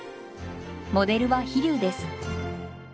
モデルは飛竜です。